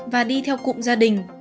và đi theo cụm gia đình